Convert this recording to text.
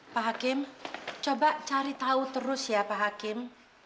pak hakim coba cari tahu terus ya pak hakim